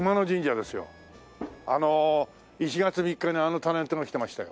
あの１月３日にあのタレントが来てましたよ。